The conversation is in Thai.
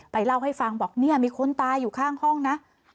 เล่าให้ฟังบอกเนี่ยมีคนตายอยู่ข้างห้องนะ